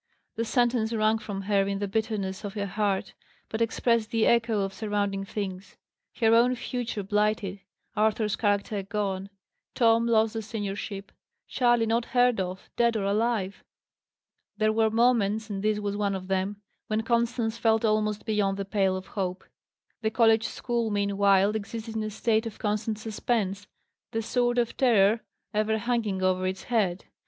_ The sentence, wrung from her in the bitterness of her heart, but expressed the echo of surrounding things. Her own future blighted; Arthur's character gone; Tom lost the seniorship; Charley not heard of, dead or alive! There were moments, and this was one of them, when Constance felt almost beyond the pale of hope. The college school, meanwhile existed in a state of constant suspense, the sword of terror ever hanging over its head.